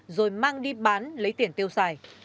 rồi mang đi bán lấy tiền tiêu xài